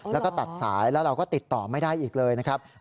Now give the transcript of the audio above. แล้วก็ตัดสายแล้วเราก็ติดต่อไม่ได้อีกเลยนะครับ